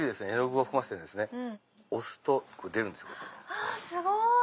あすごい。